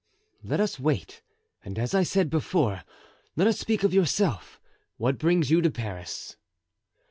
Let us wait; and, as I said before, let us speak of yourself. What brings you to Paris?"